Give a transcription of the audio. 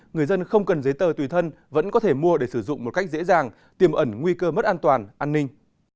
người dân không cần giấy tờ tùy thân vẫn có thể mua để sử dụng một cách dễ dàng tiềm ẩn nguy cơ mất an toàn an ninh